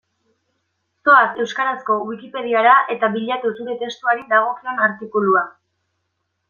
Zoaz euskarazko Wikipediara eta bilatu zure testuari dagokion artikulua.